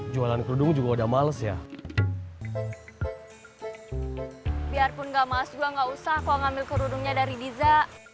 biarpun gak maas gue gak usah kok ngambil kerudungnya dari diza